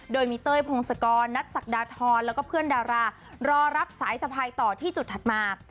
โดยมีเต้ยพงศกรนัทศักดาทรแล้วก็เพื่อนดารารอรับสายสะพายต่อที่จุดถัดมา